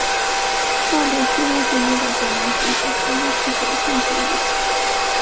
道德虚无主义的表达形式之一是表现主义。